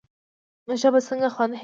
ژبه څنګه خوند حس کوي؟